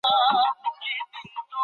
دا لیک چا لیکلی دی؟